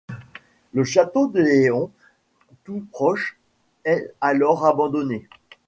Le Château de Léhon, tout proche, est alors abandonné.